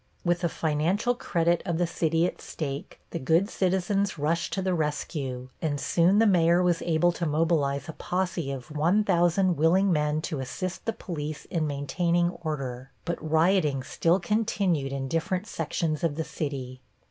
With the financial credit of the city at stake, the good citizens rushed to the rescue, and soon the Mayor was able to mobilize a posse of 1,000 willing men to assist the police in maintaining order, but rioting still continued in different sections of the city.